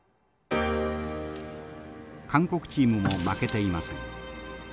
韓国チームも負けていません。